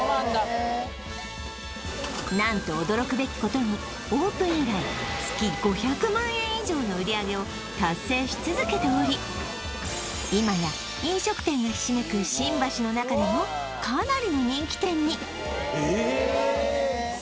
へえ何と驚くべきことにオープン以来月５００万円以上の売上を達成し続けており今や飲食店がひしめく新橋の中でもかなりの人気店にえっ